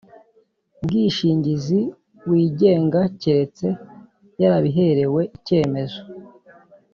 bwishingizi wigenga keretse yarabiherewe icyemezo.